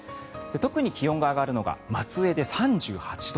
特に気温が上がるのが松江で３８度。